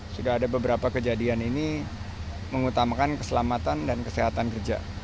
sudah ada beberapa kejadian ini mengutamakan keselamatan dan kesehatan kerja